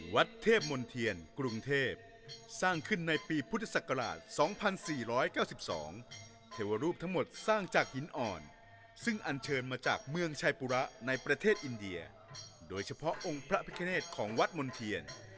วัดเทพมนเทียนกรุงเทพสร้างขึ้นในปีพุทธศักราช๒๔๙๒เทวรูปทั้งหมดสร้างจากหินอ่อนซึ่งอันเชิญมาจากเมืองชายปุระในประเทศอินเดียโดยเฉพาะองค์พระพิคเนตของวัดมณ์เทียน